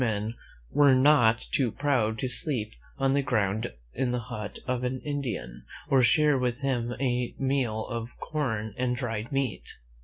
^a men were not too proud to sleep on the ground in the hut of an Indian, or share with him a meal of corn and dried meat.